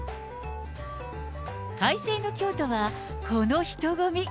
快晴の京都はこの人混み。